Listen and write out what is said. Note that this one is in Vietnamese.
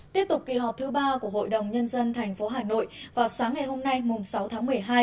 tiếp tục kỳ họp thứ ba của hội đồng nhân dân tp hà nội vào sáng ngày hôm nay sáu tháng một mươi hai